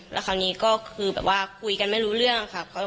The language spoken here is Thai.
แล้วคราวนี้ก็คือแบบว่าคุยกันไม่รู้เรื่องค่ะ